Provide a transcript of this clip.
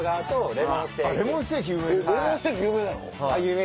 レモンステーキ有名。